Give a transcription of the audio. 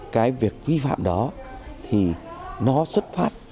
cái việc vi phạm đó thì nó xuất phát